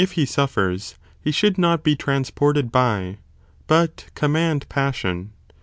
he suffers, he should not be transported by, but and vii. 6, 7,8. command (passion).